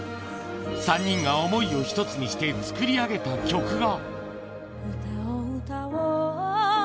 ３人が想いを１つにして作り上げた曲が。